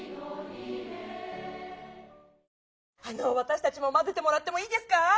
わたしたちもまぜてもらってもいいですか？